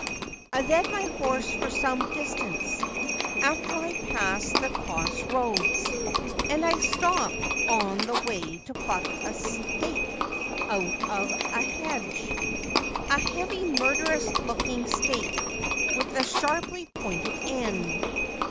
I led my horse for some dis tance after I passed the cross roads, and I stopped on the way to pluck a stake out of a hedge — a heavy, murderous looking stake, with a sharply pointed end.